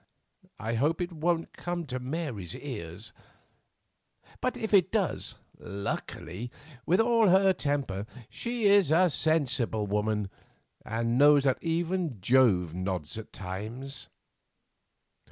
I hope it won't come to Mary's ears; but if it does, luckily, with all her temper, she is a sensible woman, and knows that even Jove nods at times."